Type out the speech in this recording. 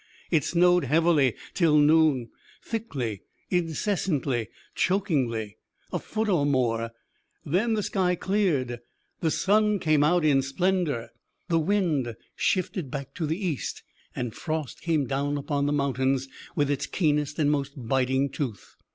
It snowed heavily till noon, thickly, incessantly, chokingly, a foot or more; then the sky cleared, the sun came out in splendour, the wind shifted back to the east, and frost came down upon the mountains with its keenest and most biting tooth.